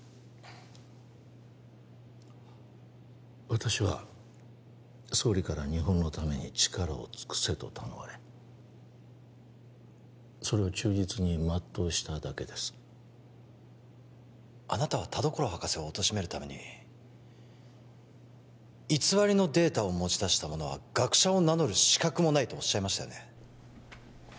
私は総理から日本のために力を尽くせと頼まれそれを忠実に全うしただけですあなたは田所博士をおとしめるために偽りのデータを持ち出した者は学者を名乗る資格もないとおっしゃいましたよね